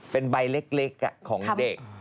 เป็นใบเล็กของเด็ก